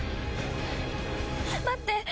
待って！